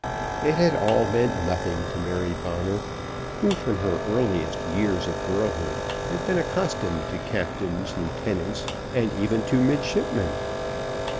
It had all meant nothing to Mary Bonner, who from her earliest years of girlhood had been accustomed to captains, lieutenants, and even to midshipmen.